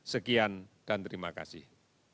sekian dan terima kasih